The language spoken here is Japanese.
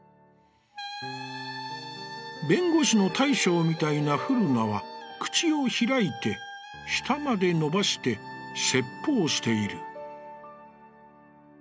「弁護士の大将みたいな富樓那は、口を開いて舌までのばして説法している」。